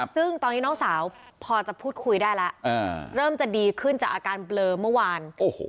ซึ่งตอนนี้น้องสาวพอจะพูดคุยได้แล้วเริ่มจะดีขึ้นจากอาการเบลอเมื่อวาน